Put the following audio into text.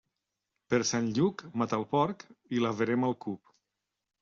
Per Sant Lluc, mata el porc, i la verema al cup.